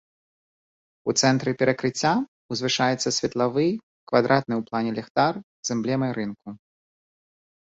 У цэнтры перакрыцця ўзвышаецца светлавы квадратны ў плане ліхтар з эмблемай рынку.